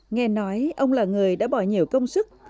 nghe nói ông là người đã bỏ nhiều công sức